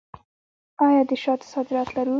آیا د شاتو صادرات لرو؟